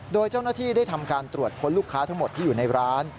โดยเจ้าหน้าที่ได้ทำการตรวจค้นลูกค้าทั้งหมดที่อยู่ในร้าน